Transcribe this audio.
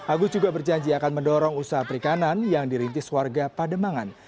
agus juga berjanji akan mendorong usaha perikanan yang dirintis warga pademangan